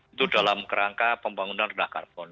itu dalam kerangka pembangunan rendah karbon